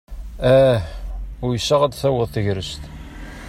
Ah! Uysaɣ ad taweḍ tegrest.